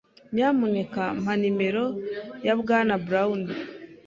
Nyamuneka mpa nimero ya Bwana Brown.